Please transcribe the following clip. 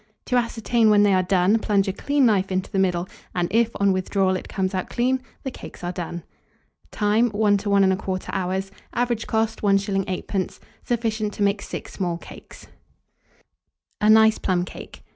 To ascertain when they are done, plunge a clean knife into the middle, and if on withdrawal it comes out clean, the cakes are done. Time. 1 to 1 1/4 hour. Average cost, 1s. 8d. Sufficient to make 6 small cakes. A NICE PLUM CAKE.